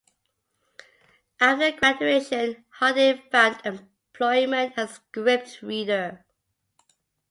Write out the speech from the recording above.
After graduation, Harding found employment as a script reader.